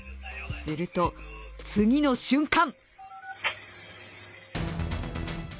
すると、次の瞬間